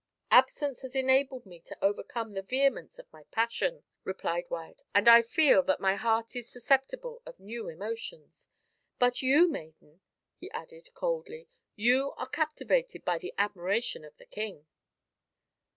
"Absence has enabled me to overcome the vehemence of my passion," replied Wyat, "and I feel that my heart is susceptible of new emotions. But you, maiden," he added coldly, "you are captivated by the admiration of the king."